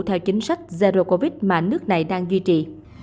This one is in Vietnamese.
theo chính sách zero covid mà nước này đang duy trì